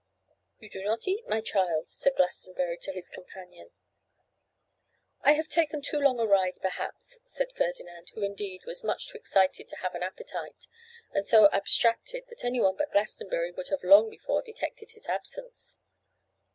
'You do not eat, my child,' said Glastonbury to his companion. 'I have taken too long a ride, perhaps,' said Ferdinand: who indeed was much too excited to have an appetite, and so abstracted that anyone but Glastonbury would have long before detected his absence.